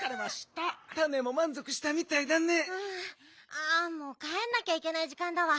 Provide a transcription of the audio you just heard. ああもうかえんなきゃいけないじかんだわ。